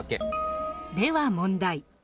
では問題。